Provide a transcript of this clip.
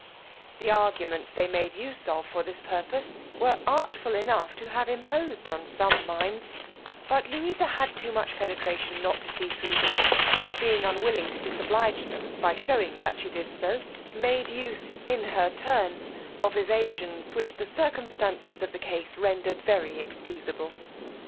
The arguments they made use of for this purpose were artful enough to have imposed on some minds, but Louisa had too much penetration not to see thro' them; and being unwilling to disoblige them by shewing that she did so, made use, in her turn, of evasions which the circumstances of the case rendered very excusable.